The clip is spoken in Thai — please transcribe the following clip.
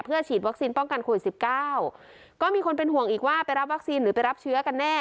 เพื่อฉีดวัคซีนป้องกันข่วย๑๙ก็มีคนเป็นห่วงอีกว่าไปรับวัคซีนหรือไปรับเชื้อกันแน่